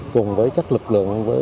cùng với các lực lượng